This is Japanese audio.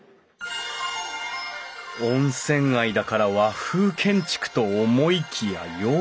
温泉街だから和風建築と思いきや洋館！